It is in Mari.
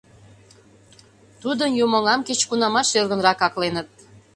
Тудын юмоҥам кеч-кунамат шергынрак акленыт.